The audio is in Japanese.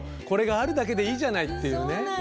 これがあるだけでいいじゃないっていうね。